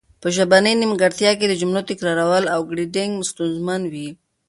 په ژبنۍ نیمګړتیا کې د جملو تکرار او ګړیدنګ ستونزمن وي